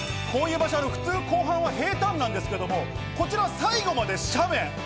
こういう場所、普通、後半は平たんなんですけど、こちら最後まで斜面。